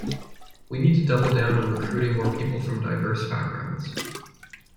We need to double-down on recruiting more people from diverse backgrounds.